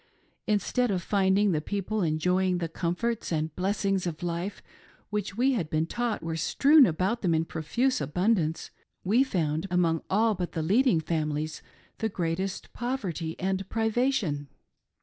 Instead of finding the people enjoying the com forts and blessings of life, which we had been taught were strewn around them in profuse abundance, we fqund among all but the leading families the greatest poverty and priva tion.